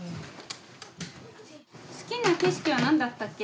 好きな景色はなんだったっけ？